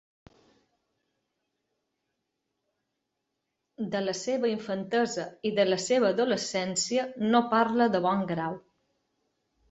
De la seva infantesa i de la seva adolescència no parla de bon grau.